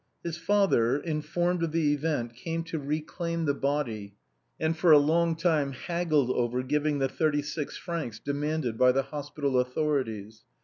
His father, informed of the event, came to reclaim the body, and for a long time haggled over giving the thirty six francs demanded by the hospital authorities.